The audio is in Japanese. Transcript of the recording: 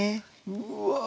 うわ！